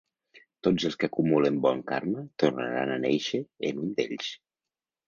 Tots els que acumulen bon karma tornaran a néixer en un d'ells.